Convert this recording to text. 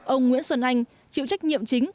ông nguyễn xuân anh chịu trách nhiệm chính